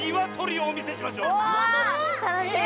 たのしみ！